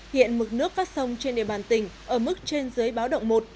hiện mực nước các sông trên địa bàn tỉnh ở mức trên dưới báo động một